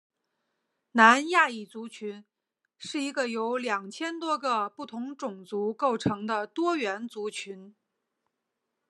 南亚裔族群是一个由二千多个不同种族构成的多元族群。